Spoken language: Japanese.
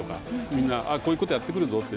みんなこういうことやってくるぞって。